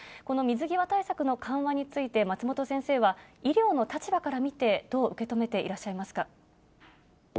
この水際対策の緩和について、松本先生は医療の立場から見て、どう受け止めていらっしゃいますか。